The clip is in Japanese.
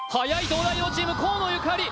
東大王チーム河野ゆかり